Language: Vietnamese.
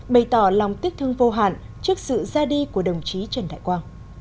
bày tỏ lòng tiếc thương vô hạn trước sự ra đi của đồng chí trần đại quang